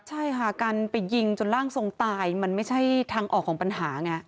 ใช่ค่ะการยิงล่างทรงตายมันทางออกของปัญหาไง